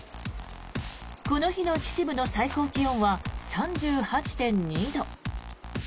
この日の秩父の最高気温は３８．２度。